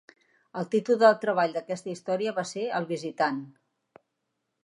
El títol de treball d'aquesta història va ser "El visitant".